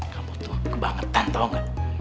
kamu tuh kebangetan tau gak